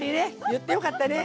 言ってよかったね。